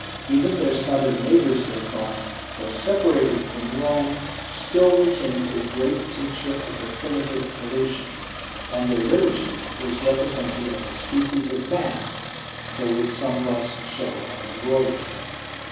Even their southern neighbors, they thought, though separated from Rome, still retained a great tincture of the primitive pollution; and their liturgy was represented as a species of mass, though with some less show and embroidery.